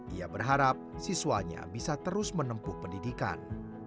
ia berharap siswanya bisa terus menempuh pendidikan